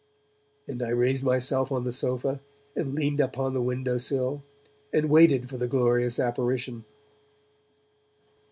And I raised myself on the sofa, and leaned upon the window sill, and waited for the glorious apparition.